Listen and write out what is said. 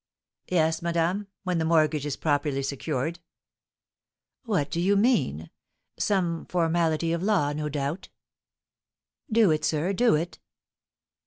"Yes, madame, when the mortgage is properly secured." "What do you mean? Some formality of law, no doubt? Do it, sir, do it."